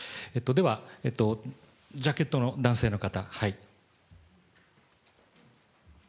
ではジャケットの男性の方。